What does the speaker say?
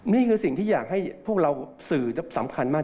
นี่คือสิ่งที่อยากให้พวกเราสื่อสำคัญมาก